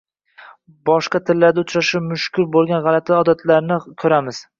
Boshqa tillarda uchrashi mushkul bo’lgan g’alati holatlarni ko’ramiz.